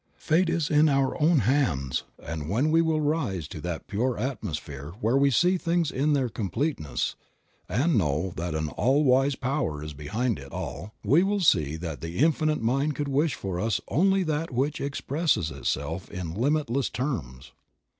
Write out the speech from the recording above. Fate is in our own hands, and when we will rise to that pure atmosphere where we see things in their com pleteness, and know that an All Wise Power is behind it all, we will see that the Infinite Mind could wish for us only that which expresses itself in limitless terms.